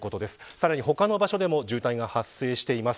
さらに他の場所でも渋滞が発生しています。